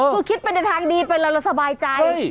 คุณคิดเป็นในทางดีไปแล้วเราสบายใจใช่